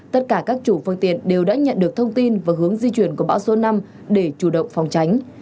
tất cả các chủ phương tiện đều đã nhận được thông tin và hướng di chuyển của bão số năm để chủ động phòng tránh